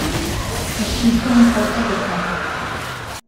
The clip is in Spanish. Existe un coto de caza.